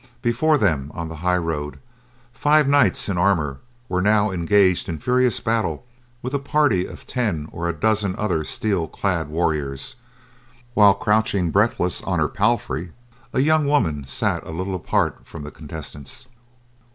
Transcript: Before them, on the highroad, five knights in armor were now engaged in furious battle with a party of ten or a dozen other steel clad warriors, while crouching breathless on her palfry, a young woman sat a little apart from the contestants.